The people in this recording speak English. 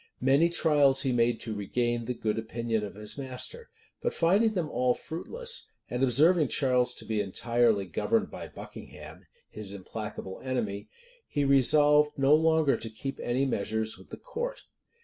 Many trials he made to regain the good opinion of his master; but finding them all fruitless, and observing Charles to be entirely governed by Buckingham, his implacable enemy, he resolved no longer to keep any measures with the court.